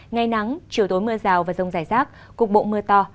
ngày nắng chiều tối mưa rào và rông dài sát cục bộ mưa to